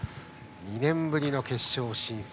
２年ぶりの決勝進出。